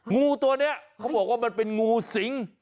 งูตัวนี้เขาบอกว่ามันเป็นงูสิง